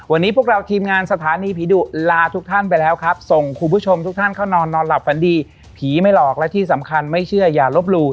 วันนี้พวกเราทีมงานสถานีผีดุลาทุกท่านไปแล้วครับส่งคุณผู้ชมทุกท่านเข้านอนนอนหลับฝันดีผีไม่หลอกและที่สำคัญไม่เชื่ออย่าลบหลู่